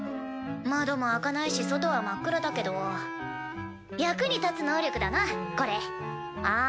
窓も開かないし外は真っ暗だけど役に立つ能力だなこれ！